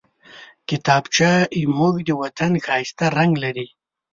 کتابچه زموږ د وطن ښايسته رنګ لري